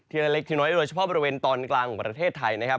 ละเล็กทีน้อยโดยเฉพาะบริเวณตอนกลางของประเทศไทยนะครับ